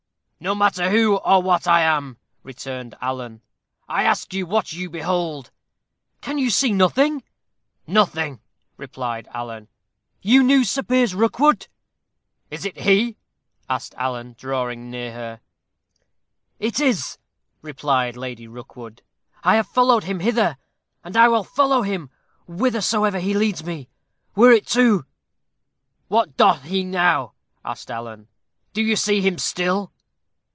"No matter who or what I am," returned Alan, "I ask you what you behold." "Can you see nothing?" "Nothing," replied Alan. "You knew Sir Piers Rookwood?" "Is it he?" asked Alan, drawing near her. "It is," replied Lady Rookwood; "I have followed him hither, and I will follow him whithersoever he leads me, were it to " "What doth he now?" asked Alan; "do you see him still?"